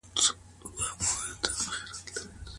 ولي هوډمن سړی د تکړه سړي په پرتله لاره اسانه کوي؟